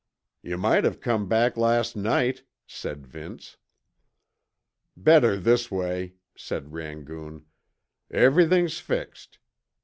"You might've come back last night," said Vince. "Better this way," said Rangoon. "Everything's fixed.